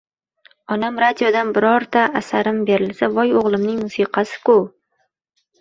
Onam radioda birorta asarim berilsa, “Voy o’g’limning musiqasi-ku!”